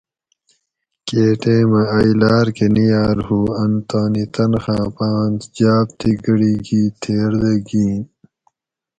کیں ٹیمہ ائی لاۤر کہ نیاۤر ہُو ان تانی تنخاۤں پاۤنس جاۤب تھی گۤڑی گھی تھیر دہ گِھین